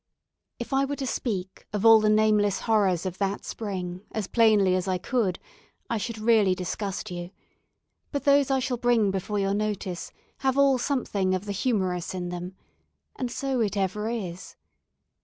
If I were to speak of all the nameless horrors of that spring as plainly as I could, I should really disgust you; but those I shall bring before your notice have all something of the humorous in them and so it ever is.